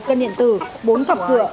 một cân điện tử bốn cặp cửa